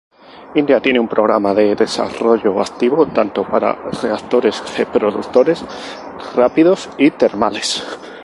India tiene un programa de desarrollo activo tanto para reactores reproductores rápidos y termales.